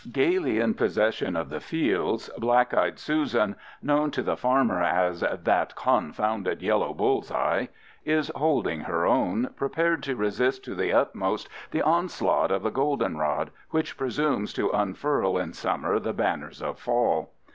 Gayly in possession of the fields, black eyed Susan, known to the farmer as "that confounded yellow bull's eye," is holding her own, prepared to resist to the utmost the onslaught of the goldenrod, which presumes to unfurl in summer the banners of fall.